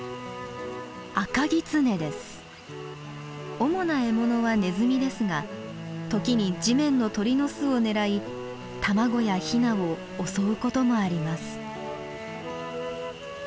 主な獲物はネズミですが時に地面の鳥の巣を狙い卵やひなを襲うこともあります。